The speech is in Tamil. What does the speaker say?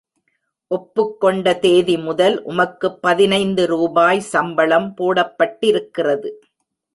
ஒப்புக்கொண்ட தேதிமுதல், உமக்குப் பதினைந்து ரூபாய் சம்பளம் போடப்பட்டிருக்கிறது.